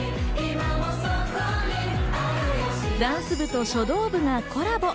ダンス部と書道部がコラボ。